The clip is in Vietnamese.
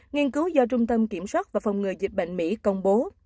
nghiên cứu do trung tâm kiểm soát và phòng ngừa dịch bệnh mỹ công bố